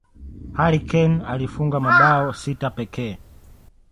harry kane alifunga mabao sita pekee